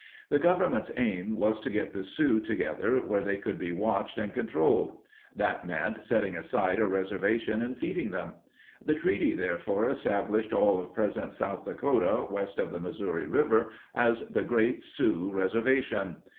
The Government's aim was to get the Sioux together where they could be watched and controlled. That meant setting aside a reserva tion and feeding them. The treaty therefore estab lished all of present South Dakota west of the Missouri River as the Great Sioux Reservation.